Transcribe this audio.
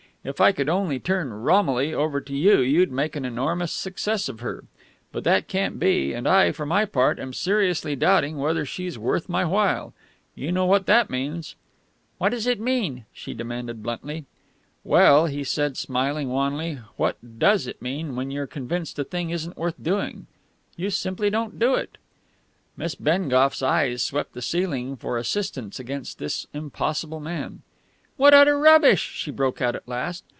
If I could only turn Romilly over to you you'd make an enormous success of her. But that can't be, and I, for my part, am seriously doubting whether she's worth my while. You know what that means." "What does it mean?" she demanded bluntly. "Well," he said, smiling wanly, "what does it mean when you're convinced a thing isn't worth doing? You simply don't do it." Miss Bengough's eyes swept the ceiling for assistance against this impossible man. "What utter rubbish!" she broke out at last.